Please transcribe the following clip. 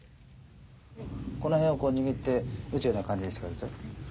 この辺をこう握って打つような感じにして下さい。